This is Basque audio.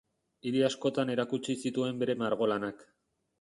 Hiri askotan erakutsi zituen bere margolanak.